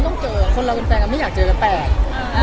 ก็อยากเจอมันก็ต้องเจอคนเราเป็นแฟนกันไม่อยากเจอกันแปลก